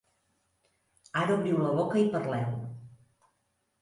Ara obriu la boca i parleu.